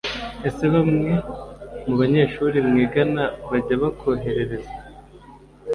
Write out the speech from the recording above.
Ese bamwe mu banyeshuri mwigana bajya bakoherereza